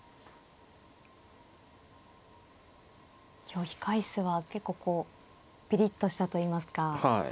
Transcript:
今日控え室は結構こうピリッとしたといいますか。